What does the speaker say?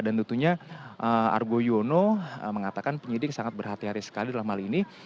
dan tentunya argo yono mengatakan penyidik sangat berhati hati sekali dalam hal ini